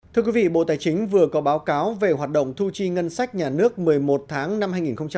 thưa quý vị bộ tài chính vừa có báo cáo về hoạt động thu chi ngân sách nhà nước một mươi một tháng năm hai nghìn hai mươi ba